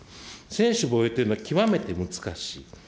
専守防衛というのは極めて難しい。